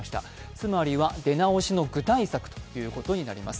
つまりは出直しの具体策ということになります。